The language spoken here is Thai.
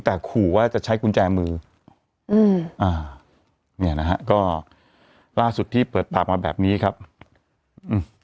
แต่ขู่ว่าจะใช้กุญแจมืออืมอ่าเนี่ยนะฮะก็ล่าสุดที่เปิดปากมาแบบนี้ครับอืม